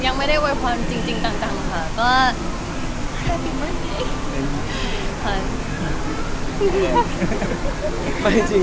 ยังไม่ได้โวยพรจริงต่างค่ะ